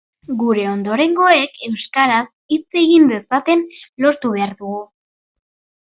Gure ondorengoek euskeraz hitz egin dezaten lortu behar dugu